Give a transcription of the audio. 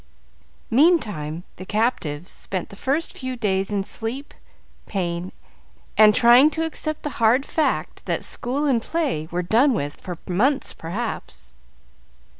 Meantime, the captives spent the first few days in sleep, pain, and trying to accept the hard fact that school and play were done with for months perhaps.